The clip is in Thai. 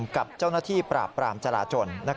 กับเจ้าหน้าที่ปราบปรามจราจน